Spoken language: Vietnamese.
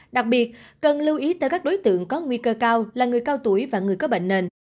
đặc biệt cần lưu ý tới các đối tượng có nguy cơ cao là người cao tuổi và người có bệnh nền